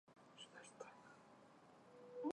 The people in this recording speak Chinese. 米尼多卡县是美国爱达荷州南部的一个县。